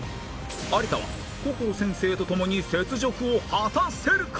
有田は心先生と共に雪辱を果たせるか！？